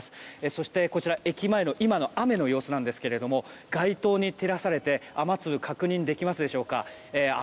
そして、駅前の今の雨の様子なんですが街灯に照らされて雨粒確認できますでしょうか。